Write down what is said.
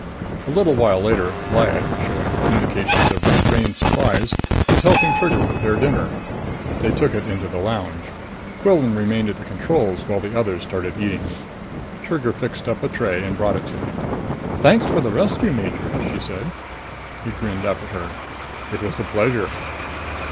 A little while later, Lyad, showing indications of restrained surprise, was helping Trigger prepare dinner. They took it into the lounge. Quillan remained at the controls while the others started eating. Trigger fixed up a tray and brought it to him. "Thanks for the rescue, Major!" she said. He grinned up at her. "It was a pleasure."